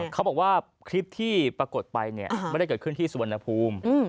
เขาบอกว่าคลิปที่ปรากฏไปเนี่ยไม่ได้เกิดขึ้นที่สุวรรณภูมิ